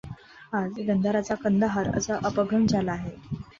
आज गांधारचा कंदहार असा अपभ्रंश झाला आहे.